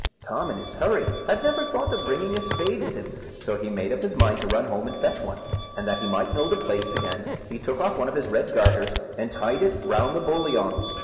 Tom in his hurry had never thought of bringing a spade with him, so he made up his mind to run home and fetch one; and that he might know the place again he took off one of his red garters, and tied it round the boliaun.